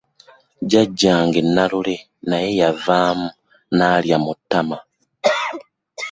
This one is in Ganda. Jjajjange Nalule naye yeevaamu n'alya mu ttama.